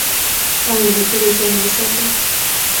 ایا له دوړو ځان وساتم؟